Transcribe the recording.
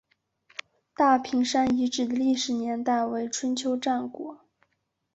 大坪山遗址的历史年代为春秋战国。